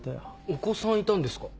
お子さんいたんですか？